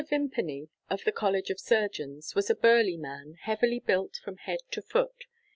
VIMPANY (of the College of Surgeons) was a burly man, heavily built from head to foot.